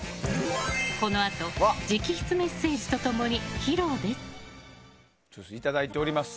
このあと直筆メッセージとともに披露です。